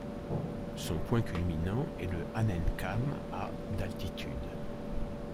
Son point culminant est le Hahnenkamm à d'altitude.